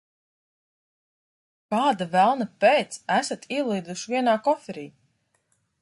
Kāda velna pēc esat ielīduši vienā koferī?